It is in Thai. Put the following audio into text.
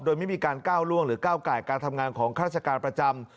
โดยไม่มีการก้าวล่วงหรือก้าวไก่การทำงานของราชการประจำ